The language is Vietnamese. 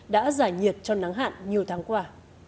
đã giải nhiệt cho nắng hạn nhiều tháng qua